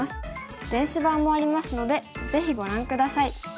電子版もありますのでぜひご覧下さい。